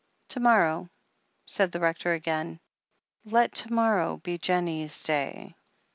"To morrow," said the Rector again. "Let to mor row be Jennie's day."